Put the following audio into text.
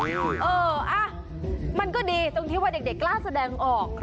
เออมันก็ดีตรงที่ว่าเด็กกล้าแสดงออก